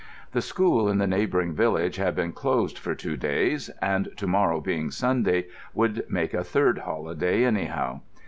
The school in the neighbouring village had been closed for two days; and to morrow, being Sunday, would make a third holiday anyhow.